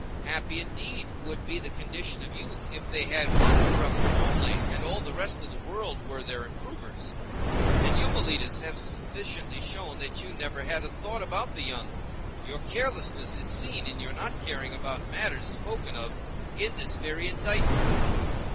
Happy indeed would be the condition of youth if they had one corrupter only, and all the rest of the world were their improvers. And you, Meletus, have sufficiently shown that you never had a thought about the young: your carelessness is seen in your not caring about matters spoken of in this very indictment.